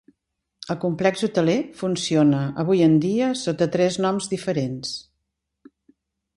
El complex hoteler funciona avui en dia sota tres noms diferents.